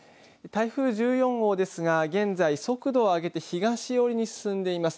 台風１４号ですが現在、速度を上げて東寄りに進んでいます。